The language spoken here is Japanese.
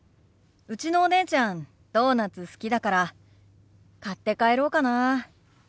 うちのお姉ちゃんドーナツ好きだから買って帰ろうかな。